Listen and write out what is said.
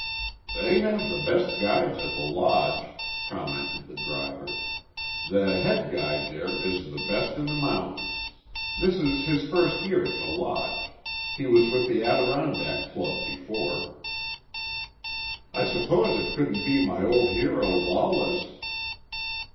"They have the best guides at the Lodge," commented the driver. "The head guide there is the best in the mountains. This is his first year at the Lodge. He was with the Adirondack Club before." "I suppose it couldn't be my old hero, Lawless?"